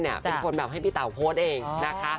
เป็นคนแบบให้พี่เต๋าโพสต์เองนะคะ